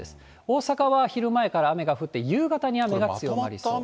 大阪は昼前から雨が降って、夕方に雨が強まりそう。